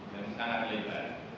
dan sangat lebar